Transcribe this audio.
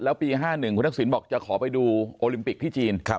แล้วปี๕๑คุณทักษิณบอกจะขอไปดูโอลิมปิกที่จีน